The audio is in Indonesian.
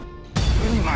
lima juta per meter